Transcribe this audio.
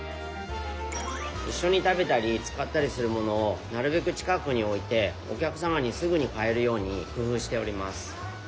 いっしょに食べたり使ったりする物をなるべく近くにおいてお客さまにすぐに買えるようにくふうしております。